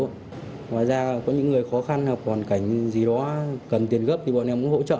ngoài ra có những người khó khăn hoặc hoàn cảnh gì đó cần tiền gấp thì bọn em cũng hỗ trợ